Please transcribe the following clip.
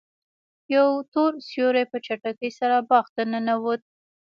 یو تور سیوری په چټکۍ سره باغ ته ننوت.